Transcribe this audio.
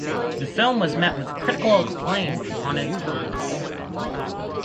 The film was met with critical acclaim upon its release.